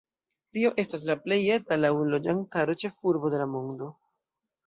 Tio estas la plej eta laŭ loĝantaro ĉefurbo de la mondo.